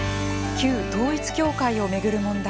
旧統一教会を巡る問題。